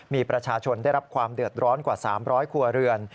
มีประชาชนได้รับความเดือดร้อนกว่า๓๐๐ครัวเรือน